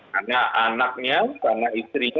karena anaknya karena istrinya